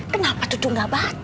kenapa cucu gak baca